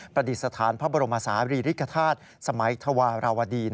ประดิษฐานพระบรมศาลีริกฐาตุสมัยธวาราวดี